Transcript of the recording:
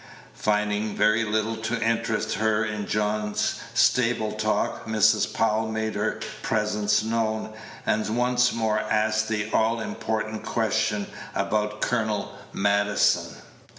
Finding very little to interest her in John's stable talk, Mrs. Powell made her presence known, and once more asked the all important question about Colonel Maddison.